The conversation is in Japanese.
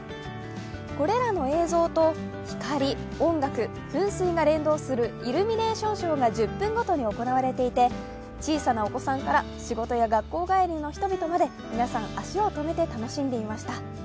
これらの映像と光、音楽、噴水が連動するイルミネーションショーが１０分ごとに行われていて、小さなお子さんから仕事や学校帰りの人々まで皆さん、足を止めて楽しんでいました。